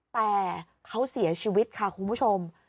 แต่เขาเสียชีวิตค่ะคุณผู้ชม